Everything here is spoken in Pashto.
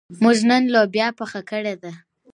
موږ نن لوبیا پخه کړې ده.